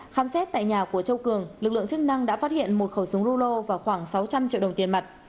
khám xét tại nhà của châu cường lực lượng chức năng đã phát hiện một khẩu súng rulo và khoảng sáu trăm linh triệu đồng tiền mặt